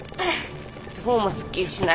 どうもすっきりしないわ。